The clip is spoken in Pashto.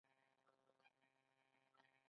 د راسبیري کښت تجربه شوی؟